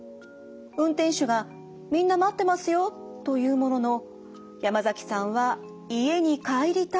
運転手が「みんな待ってますよー」と言うものの山崎さんは家に帰りたいというのです。